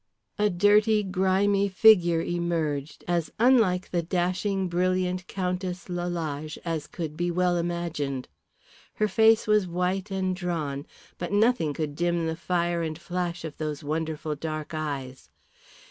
A dirty, grimy figure emerged, as unlike the dashing, brilliant Countess Lalage as could be well imagined. Her face was white and drawn, but nothing could dim the fire and flash of those wonderful dark eyes.